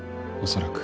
恐らく。